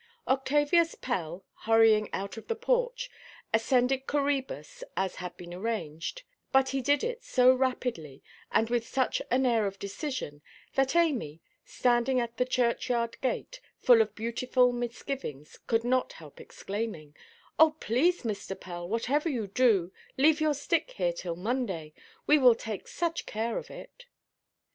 Octavius Pell, hurrying out of the porch, ascended Coræbus, as had been arranged; but he did it so rapidly, and with such an air of decision, that Amy, standing at the churchyard gate, full of beautiful misgivings, could not help exclaiming, "Oh please, Mr. Pell, whatever you do, leave your stick here till Monday. We will take such care of it."